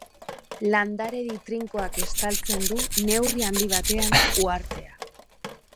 Landaredi trinkoak estaltzen du, neurri handi batean, uhartea.